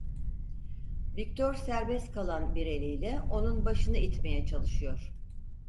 Viktor serbest kalan bir eliyle onun başını itmeye çalışıyor.